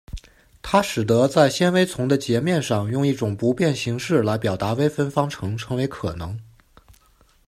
它使得在纤维丛的截面上用一种不变形式来表达微分方程成为可能。